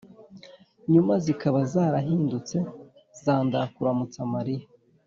nyuma zikaba zarahindutse za “ndakuramutsa mariya”